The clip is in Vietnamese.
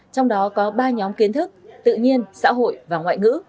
trong đó có ba nhóm kiến thức tự nhiên xã hội và ngoại ngữ